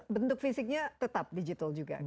bentuk fisiknya tetap digital juga